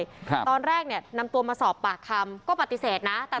ครับตอนแรกเนี่ยนำตัวมาสอบปากคำก็ปฏิเสธนะแต่